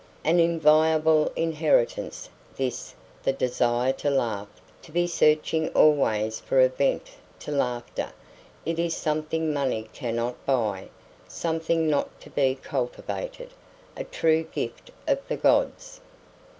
An enviable inheritance, this, the desire to laugh, to be searching always for a vent to laughter; it is something money cannot buy, something not to be cultivated; a true gift of the gods.